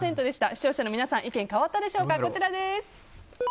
視聴者の皆さん意見変わったでしょうか。